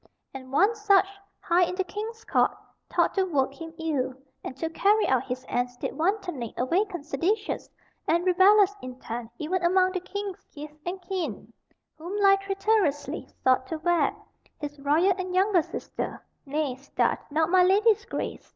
And one such, high in the king's court, thought to work him ill; and to carry out his ends did wantonly awaken seditious and rebellious intent even among the king's kith and kin, whom lie traitorously sought to wed, his royal and younger sister, nay, start' not my lady's grace!"